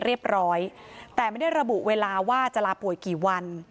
เรียบร้อยแต่ไม่ได้ระบุเวลาว่าจะลาป่วยกี่วัน